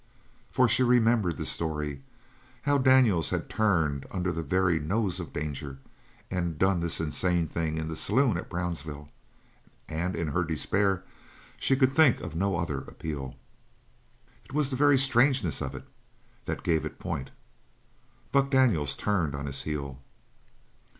For she remembered the story how Daniels had turned under the very nose of danger and done this insane thing in the saloon at Brownsville and in her despair she could think of no other appeal. It was the very strangeness of it that gave it point. Buck Daniels turned on his heel.